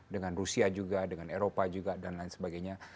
dengan rusia juga dengan eropa juga dan lain sebagainya